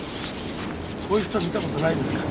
こういう人見た事ないですかね？